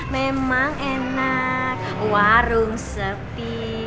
memang enak warung sepi